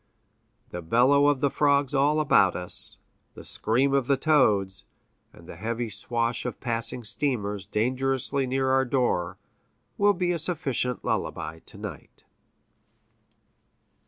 The bellow of the frogs all about us, the scream of toads, and the heavy swash of passing steamers dangerously near our door, will be a sufficient lullaby to night.